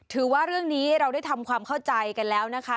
ถือว่าเรื่องนี้เราได้ทำความเข้าใจกันแล้วนะคะ